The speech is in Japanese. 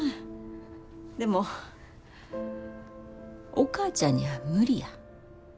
でもお母ちゃんには無理や。